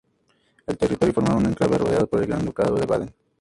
El territorio formaba un enclave rodeado por el Gran Ducado de Baden.